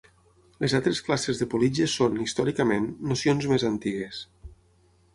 Les altres classes de politges són, històricament, nocions més antigues.